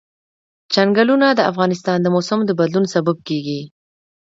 چنګلونه د افغانستان د موسم د بدلون سبب کېږي.